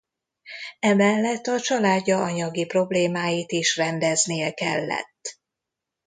Emellett a családja anyagi problémáit is rendeznie kellett.